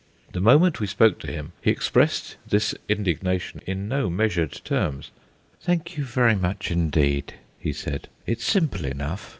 The moment we spoke to him he expressed this indignation in no measured terms. "Thank you very much indeed," he said; "it's simple enough.